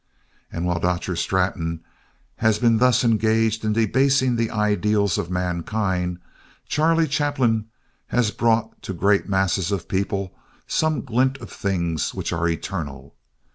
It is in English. And while Dr. Straton has been thus engaged in debasing the ideals of mankind, Charlie Chaplin has brought to great masses of people some glint of things which are eternal.